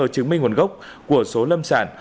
giấy tờ chứng minh nguồn gốc của số lâm sản